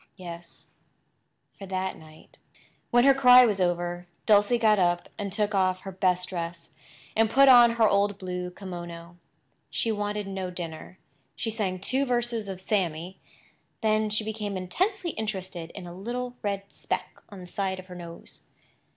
Yes, for that night. When her cry was over Dulcie got up and took off her best dress, and put on her old blue kimono. She wanted no dinner. She sang two verses of "Sammy." Then she became intensely interested in a little red speck on the side of her nose.